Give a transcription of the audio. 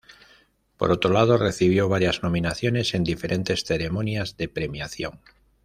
Por otro lado, recibió varias nominaciones en diferentes ceremonias de premiación.